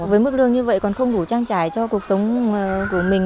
với mức lương như vậy còn không đủ trang trải cho cuộc sống của mình